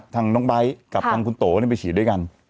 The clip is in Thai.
ทางน้องไบท์กับทางคุณโตไปฉีดด้วยกัน